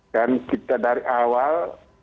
dan kita dari awal